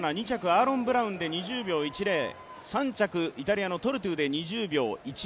アーロン・ブラウンで２０秒１０、３着イタリアのトルトゥで２０秒１０。